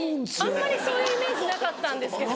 あんまりそういうイメージなかったんですけど。